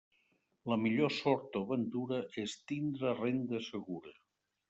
La millor sort o ventura és tindre renda segura.